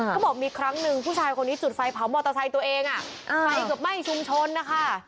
เขาบอกมีครั้งหนึ่งผู้ชายคนนี้จุดไฟเผามอเตอร์ไซค์ตัวเองไฟเกือบไหม้ชุมชนนะคะ